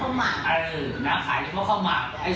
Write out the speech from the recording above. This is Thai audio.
เออน้ำขายแต่ข้าวหมาก